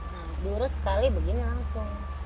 nah diurut sekali begini langsung